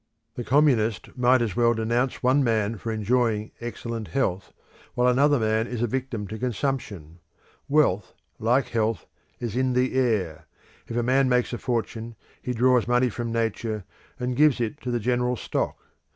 The Communist might as well denounce one man for enjoying excellent health, while another man is a victim to consumption. Wealth, like health, is in the air; if a man makes a fortune he draws money from Nature and gives it to the general stock.